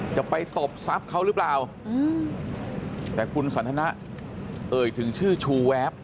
จะไปตบทรัพย์เขาหรือเปล่าแต่คุณสันทนะเอ่ยถึงชื่อชูแวบ